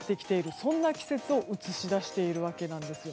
そんな季節を映し出しているわけなんですよ。